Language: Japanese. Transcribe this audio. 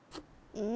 うん？